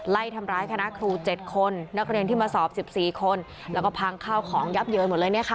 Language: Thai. ไล่ทำร้ายคณะครู๗คนนักเรียนที่มาสอบ๑๔คนแล้วก็พังข้าวของยับเยินหมดเลยเนี่ยค่ะ